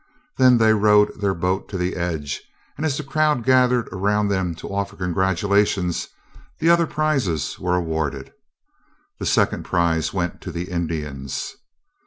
Then they rowed their boat to the edge, and as the crowd gathered around them to offer congratulations, the other prizes were awarded. The second prize went to the Indians!